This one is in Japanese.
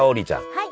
はい。